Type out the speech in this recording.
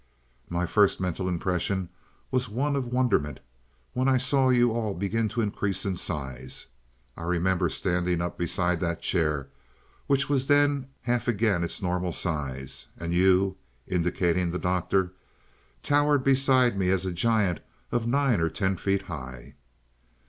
"My first mental impression was one of wonderment when I saw you all begin to increase in size. I remember standing up beside that chair, which was then half again its normal size, and you" indicating the Doctor "towered beside me as a giant of nine or ten feet high.